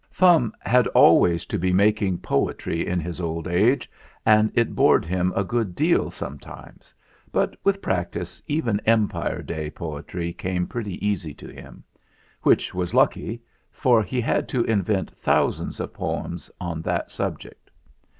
Fum had always to be making poetry in his old age, and it bored him a good deal some times; but with practice even Empire Day poetry came pretty easy to him; which was lucky, for he had to invent thousands of poems on that subject.